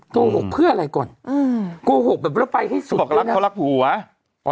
โกหกเพื่ออะไรก่อนอืมโกหกแบบว่าไปให้สุดเขาบอกว่าเขารักผู้ว่ะ